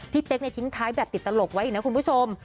เป๊กทิ้งท้ายแบบติดตลกไว้อีกนะคุณผู้ชม